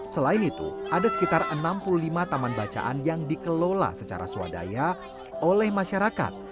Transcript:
selain itu ada sekitar enam puluh lima taman bacaan yang dikelola secara swadaya oleh masyarakat